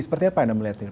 seperti apa anda melihat